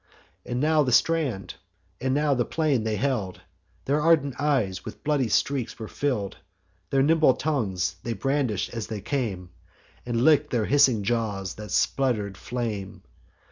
And now the strand, and now the plain they held; Their ardent eyes with bloody streaks were fill'd; Their nimble tongues they brandish'd as they came, And lick'd their hissing jaws, that sputter'd flame.